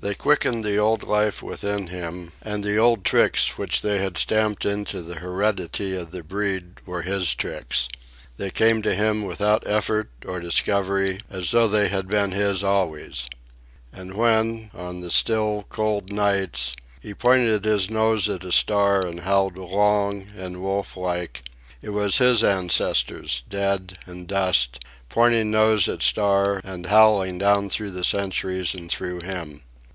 They quickened the old life within him, and the old tricks which they had stamped into the heredity of the breed were his tricks. They came to him without effort or discovery, as though they had been his always. And when, on the still cold nights, he pointed his nose at a star and howled long and wolflike, it was his ancestors, dead and dust, pointing nose at star and howling down through the centuries and through him.